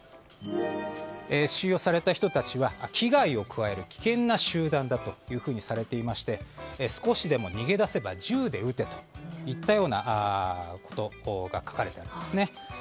収容された人たちは危害を加える危険な集団だとしまして少しでも逃げ出せば銃で撃てといったようなことが書かれていますね。